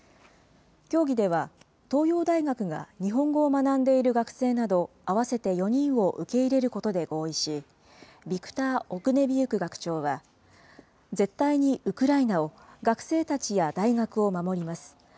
協議では、東洋大学が日本語を学んでいる学生など合わせて４人を受け入れることで合意し、ヴィクター・オグネヴィウク学長は絶対にウクライナを、学生たちや大学を守ります。